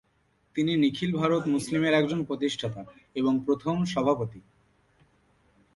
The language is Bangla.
তিনি নিখিল ভারত মুসলিমের একজন প্রতিষ্ঠাতা এবং প্রথম সভাপতি।